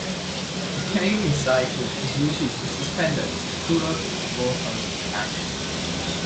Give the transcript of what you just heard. The Canadian Cycling Association suspended Schroeter for her actions.